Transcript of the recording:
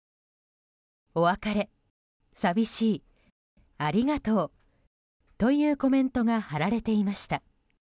お別れ、寂しい、ありがとうというコメントが貼られていました。